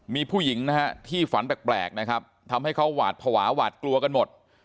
มีผู้หญิงนะฮะที่ฝันแปลกนะครับทำให้เขาหวาดภาวะหวาดกลัวกันหมด